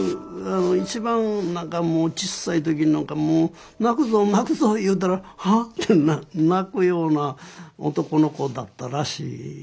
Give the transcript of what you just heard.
一番ちっさい時なんか泣くぞ泣くぞ言うたらハッて泣くような男の子だったらしい。